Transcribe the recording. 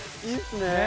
いいっすね。